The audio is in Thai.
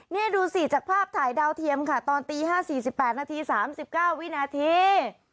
นี่ดูสิจากภาพถ่ายดาวเทียมค่ะตอนตี๕๔๘นาที๓๙วินาที